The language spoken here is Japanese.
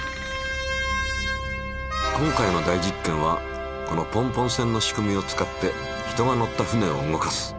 今回の大実験はこのポンポン船の仕組みを使って人が乗った船を動かす。